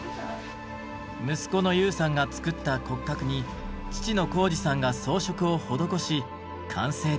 息子の悠さんが作った骨格に父の浩司さんが装飾を施し完成です。